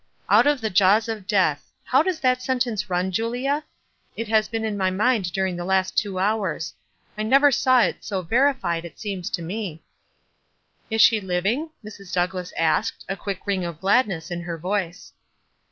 " Out of the jaws of death. How does that sentence run, Julia? It has been in my mind during the last two hours. I never saw it so verified, it seems to me." "Is she living ?" Mrs. Douglass asked, a quick ring of gladness in her voice.